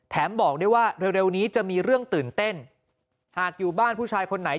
บอกได้ว่าเร็วนี้จะมีเรื่องตื่นเต้นหากอยู่บ้านผู้ชายคนไหน